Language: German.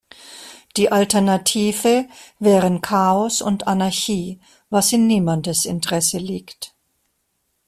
Die Alternative wären Chaos und Anarchie, was in niemandes Interesse liegt.